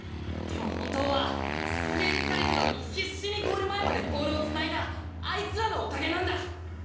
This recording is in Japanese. でも本当はすげえ疲れてたのに必死にゴール前までボールをつないだあいつらのおかげなんだ。